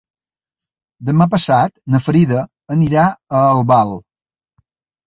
Demà passat na Frida anirà a Albal.